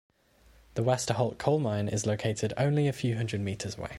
The Westerholt coal mine is located only a few hundred metres away.